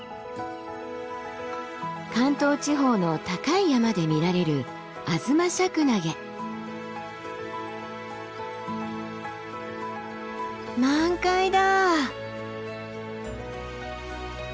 関東地方の高い山で見られる満開だ。